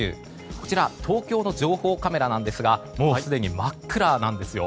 こちら東京の情報カメラなんですがもうすでに真っ暗なんですよ。